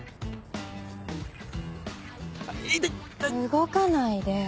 動かないで。